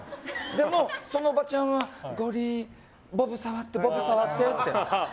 でも、そのおばちゃんはゴリ、ボブ触ってボブ触ってって。